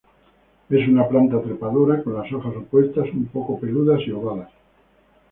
Es una planta trepadora con las hojas opuestas, un poco peludas y ovadas.